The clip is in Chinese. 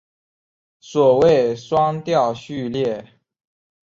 所谓双调序列。